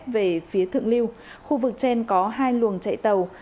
về phía thượng liêu